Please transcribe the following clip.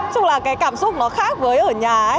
chúc là cái cảm xúc nó khác với ở nhà